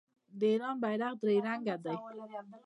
د ایران بیرغ درې رنګه دی.